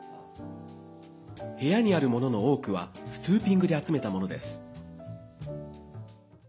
部屋にあるものの多くはストゥーピングで集めたものです。